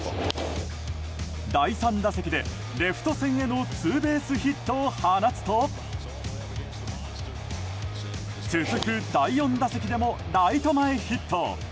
第３打席でレフト線へのツーベースヒットを放つと続く第４打席でもライト前ヒット。